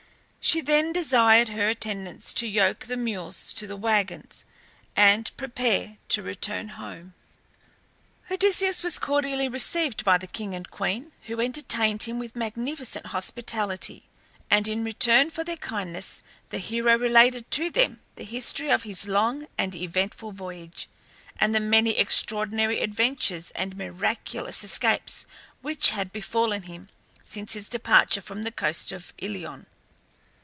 She then desired her attendants to yoke the mules to the wagons and prepare to return home. Odysseus was cordially received by the king and queen, who entertained him with magnificent hospitality, and in return for their kindness the hero related to them the history of his long and eventful voyage, and the many extraordinary adventures and miraculous escapes which had befallen him since his departure from the coast of Ilion.